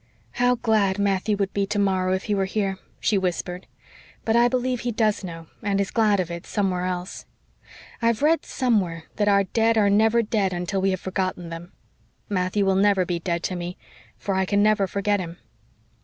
"How glad Matthew would be tomorrow if he were here," she whispered. "But I believe he does know and is glad of it somewhere else. I've read somewhere that 'our dead are never dead until we have forgotten them.' Matthew will never be dead to me, for I can never forget him."